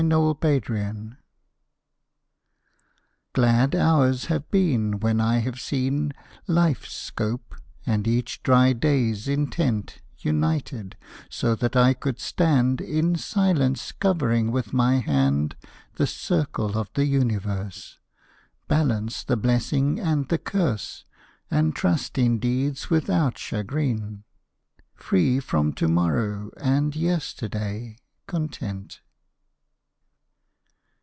CONTENTMENT. Glad hours have been when I have seen Life's scope and each dry day's intent United; so that I could stand In silence, covering with my hand The circle of the universe, Balance the blessing and the curse, And trust in deeds without chagrin, Free from to morrow and yesterday content.